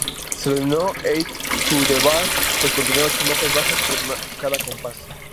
Se le denominó "eight-to-the-bar", pues contenía ocho notas bajas por cada compás.